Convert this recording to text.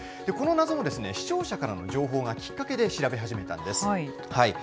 この謎を視聴者からの情報がきっかけで調べ始めたんです。